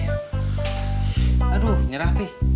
aduh nyerah pi